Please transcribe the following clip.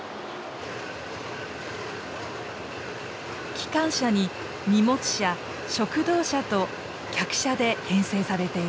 機関車に荷物車食堂車と客車で編成されている。